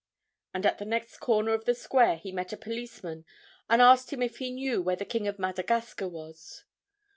And at the next corner of the square he met a policeman and asked him if he knew where the "King of Madagascar" was.